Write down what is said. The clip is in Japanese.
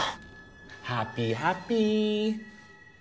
ハッピーハッピー！